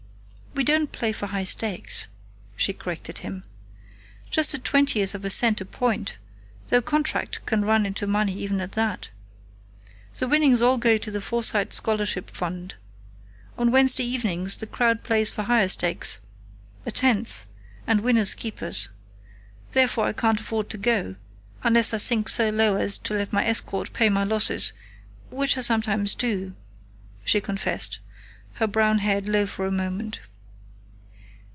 "We don't play for high stakes," she corrected him. "Just a twentieth of a cent a point, though contract can run into money even at that. The winnings all go to the Forsyte Scholarship Fund. On Wednesday evenings the crowd plays for higher stakes a tenth and winners keepers. Therefore I can't afford to go, unless I sink so low as to let my escort pay my losses which I sometimes do," she confessed, her brown head low for a moment.